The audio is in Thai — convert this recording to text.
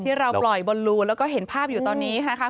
ที่เราปล่อยบอลลูแล้วก็เห็นภาพอยู่ตอนนี้นะคะ